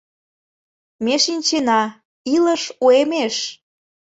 Ме шинчена: илыш уэмеш.